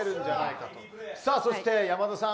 そして、山田さん。